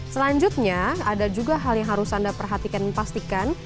selanjutnya ada juga hal yang harus anda perhatikan dan pastikan